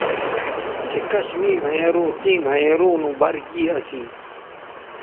چہء کش می گھینئروں تیں گھینئروں نو بَر گی سی